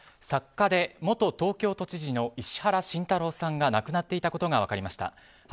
作家で元東京都知事の石原慎太郎さんが亡くなっていたことが分かりました。